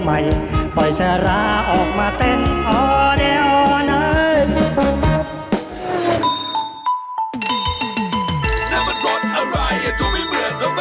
ไม่ใช่บรุขมไม่ใช่ลบมวดมหาสนุก